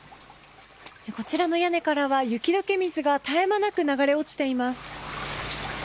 こちらの屋根からは雪解け水が絶え間なく流れ落ちています。